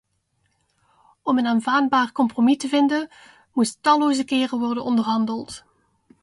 Om een aanvaardbaar compromis te vinden, moest talloze keren worden onderhandeld.